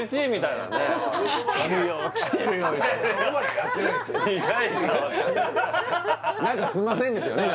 いやいや「何かすいません」ですよね